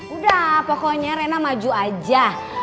udah pokoknya rena maju aja